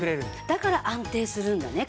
だから安定するんだね